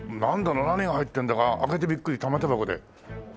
何が入ってんだか開けてビックリ玉手箱で。